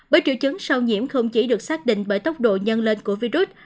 bởi triệu chứng sau nhiễm không chỉ được xác định bởi tốc độ nhân lên của virus